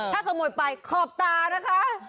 ถ้าขโมยไปขอบตานะคะ